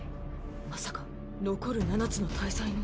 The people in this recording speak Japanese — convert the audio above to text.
まさか残る七つの大罪の。